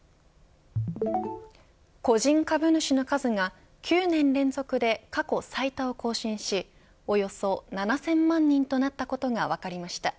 個人株主の数が９年連続で過去最多を更新しおよそ７０００万人となったことが分かりました。